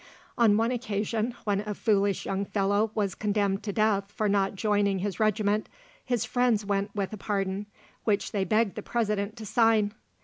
On one occasion, when a foolish young fellow was condemned to death for not joining his regiment, his friends went with a pardon, which they begged the President to sign.